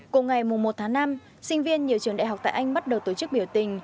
cùng ngày một tháng năm sinh viên nhiều trường đại học tại anh bắt đầu tổ chức biểu tình